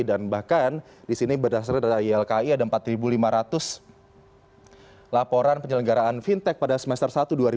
dan bahkan di sini berdasarkan data ilki ada empat lima ratus laporan penyelenggaraan fintech pada semester satu dua ribu sembilan belas